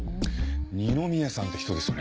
二宮さんて人ですよね？